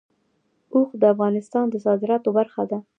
اوښ د افغانستان د صادراتو برخه ده.